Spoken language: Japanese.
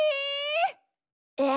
え？